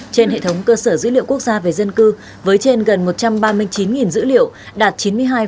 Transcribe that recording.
trên hệ thống cơ sở dữ liệu quốc gia về dân cư với trên gần một trăm ba mươi chín dữ liệu đạt chín mươi hai hai mươi năm